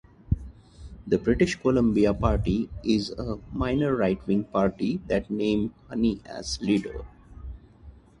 The British Columbia Party is a minor right-wing party that named Hanni as leader.